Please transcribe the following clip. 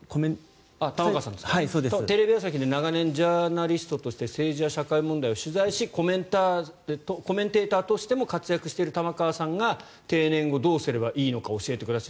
テレビ朝日で長年ジャーナリストとして政治や社会問題を取材しコメンテーターとしても活躍している玉川さんが定年後どうすればいいのか教えてください。